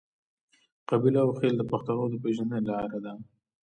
قبیله او خیل د پښتنو د پیژندنې لار ده.